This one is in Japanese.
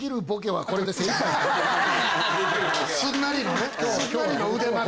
すんなりのね。